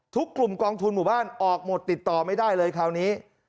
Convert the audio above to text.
ทุกกลุ่มกองทุนหมู่บ้านออกหมดติดต่อไม่ได้เลยคราวนี้